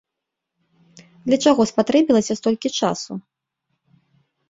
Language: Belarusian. Для чаго спатрэбілася столькі часу?